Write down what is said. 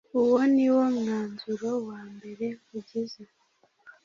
UWO NIWOMWANZURO WA MBERE ugize